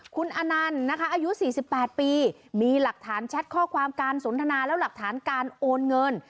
คุณอนันต์นะคะอายุ๔๘ปีมีหลักฐานแชทข้อความการสนทนาแล้วหลักฐานการโอนเงิน